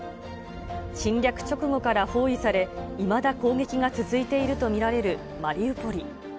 侵略直後から包囲され、いまだ攻撃が続いていると見られるマリウポリ。